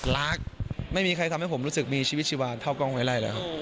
รักไม่มีใครทำให้ผมรู้สึกมีชีวิตชีวานเท่ากล้องไว้ไล่แล้วครับ